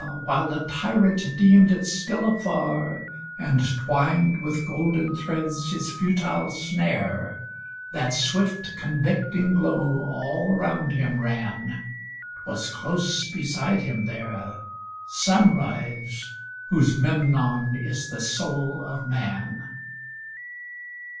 while the tyrant deemed it still afar, And twined with golden threads his futile snare, That swift, convicting glow all round him ran; 'Twas close beside him there, Sunrise whose Memnon is the soul of man.